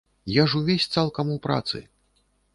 Я ж увесь цалкам у працы!